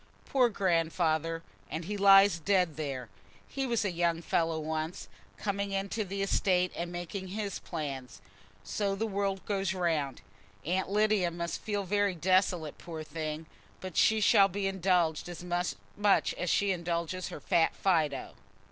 "Poor Grandfather! And he lies dead there. He was a young fellow once, coming into the estate and making his plans. So the world goes round! Aunt Lydia must feel very desolate, poor thing; but she shall be indulged as much as she indulges her fat Fido."